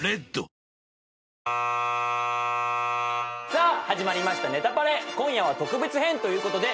さあ始まりました『ネタパレ』今夜は特別編ということで。